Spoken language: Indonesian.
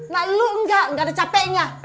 nah lo enggak gak ada capeknya